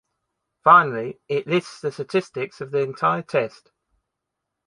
Finally, it lists the statistics of the entire test.